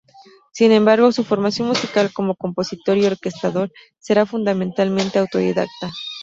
Sin embargo, su formación musical como compositor y orquestador, será fundamentalmente autodidacta.